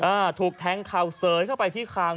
อ่าถูกแทงเข่าเสยเข้าไปที่คาง